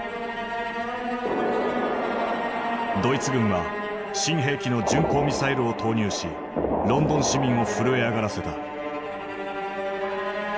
ドイツ軍は新兵器の巡航ミサイルを投入しロンドン市民を震え上がらせた。